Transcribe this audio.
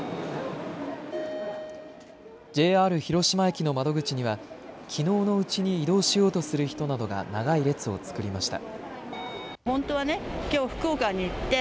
ＪＲ広島駅の窓口にはきのうのうちに移動しようとする人などが長い列を作りました。